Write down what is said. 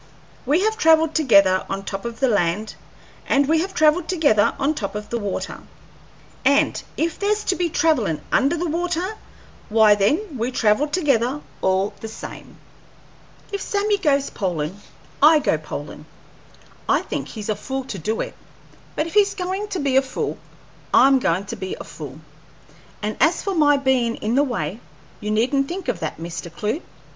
We have travelled together on top of the land, and we have travelled together on top of the water, and if there's to be travellin' under the water, why then we travel together all the same. If Sammy goes polin', I go polin'. I think he's a fool to do it; but if he's goin' to be a fool, I am goin' to be a fool. And as for my bein' in the way, you needn't think of that, Mr. Clewe.